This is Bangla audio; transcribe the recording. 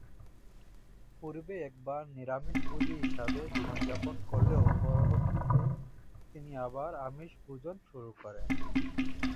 পূর্বে একবার নিরামিষভোজী হিসেবে জীবনযাপন করলেও, পরবর্তীতে তিনি আবার আমিষ ভোজন শুরু করেন।